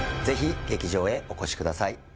ぜひ劇場へお越しください